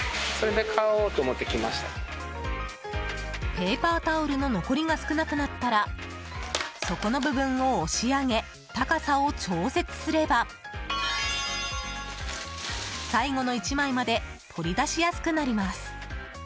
ペーパータオルの残りが少なくなったら底の部分を押し上げ高さを調節すれば最後の１枚まで取り出しやすくなります。